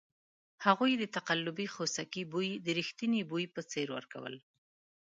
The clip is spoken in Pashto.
هغوی د تقلبي خوسکي بوی د ریښتني بوی په څېر ورکول.